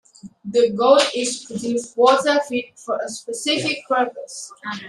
The goal is to produce water fit for a specific purpose.